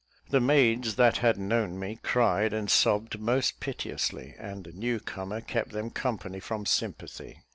The maids that had known me cried and sobbed most piteously, and the new comer kept them company from sympathy.